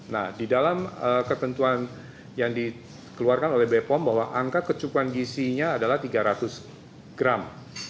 nah di dalam ketentuan yang dikeluarkan oleh bepom bahwa angka kecukupan gisinya adalah tiga ratus gram